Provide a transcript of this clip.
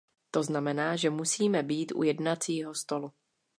To znamená, že musíme být u jednacího stolu.